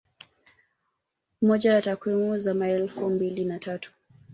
Moja ya takwimu za mwaka elfu mbili na tatu